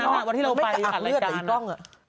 พอวันนี้เราไปกะอัดเลือดหรืออีกกล้อง